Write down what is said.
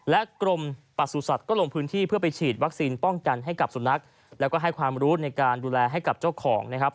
และกรมประสุทธิ์สัตว์ก็ลงพื้นที่เพื่อไปฉีดวัคซีนป้องกันให้กับสุนัขแล้วก็ให้ความรู้ในการดูแลให้กับเจ้าของนะครับ